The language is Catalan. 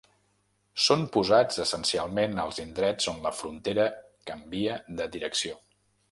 Són posats essencialment als indrets on la frontera canvia de direcció.